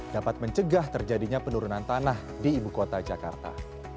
dapat mencegah terjadinya penurunan tanah di ibukota jakarta